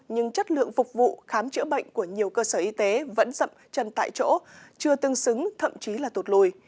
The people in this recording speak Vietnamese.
nhưng chất lượng phục vụ khám chữa bệnh của nhiều cơ sở y tế vẫn rậm chân tại chỗ chưa tương xứng thậm chí là tụt lùi